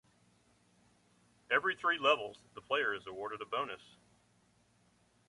Every three levels, the player is awarded a bonus.